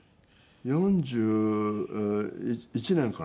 ４１年かな。